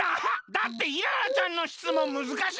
だってイララちゃんのしつもんむずかしいんだもん。